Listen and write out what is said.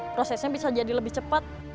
prosesnya bisa jadi lebih cepat